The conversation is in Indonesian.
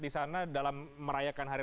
di sana dalam merayakan hari